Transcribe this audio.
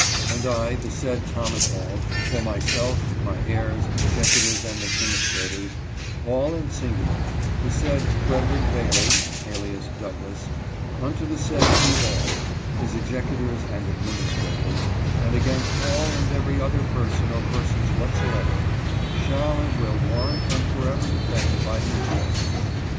And I, the said Thomas Auld, for myself, my heirs, executors, and administrators, all and singular, the said Frederick Bailey, alias Douglass, unto the said Hugh Auld, his executors and administrators, and against all and every other person or persons whatsoever, shall and will warrant and forever defend by these presents.